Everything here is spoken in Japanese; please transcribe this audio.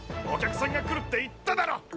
お客さんが来るって言っただろ！